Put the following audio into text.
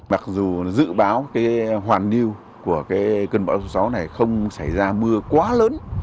mặc dù dự báo hoàn hưu của cơn bão số sáu này không xảy ra mưa quá lớn